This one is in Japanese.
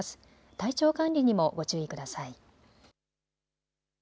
体調管理にもご注意ください。